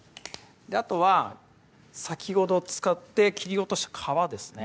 あとは先ほど使って切り落とした皮ですね